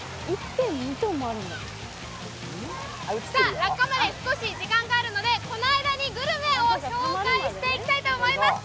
さあ、落下まで少し時間があるのでこの間にグルメを紹介したいと思います。